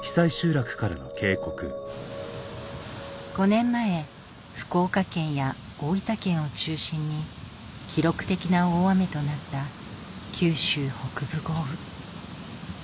５年前福岡県や大分県を中心に記録的な大雨となった九州北部豪雨